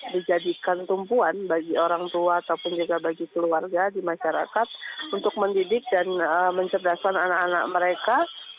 dijadikan tumpuan bagi orang tua ataupun juga bagi keluarga di masyarakat untuk mendidik dan mencerdaskan anak anak mereka